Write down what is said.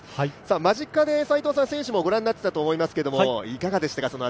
間近で選手もご覧になっていたと思いますけど、いかがでしたか？